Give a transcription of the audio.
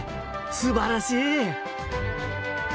すばらしい！